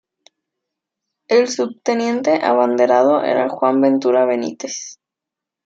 El subteniente abanderado era Juan Ventura Benítez.